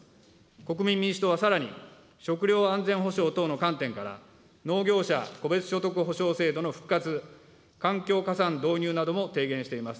国民民主党はさらに、食料安全保障等の観点から、農業者戸別保障制度の復活、環境加算導入なども提言しています。